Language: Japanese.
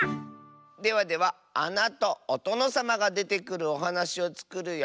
ではではあなとおとのさまがでてくるおはなしをつくるよ。